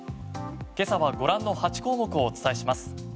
今朝はご覧の８項目をお伝えします。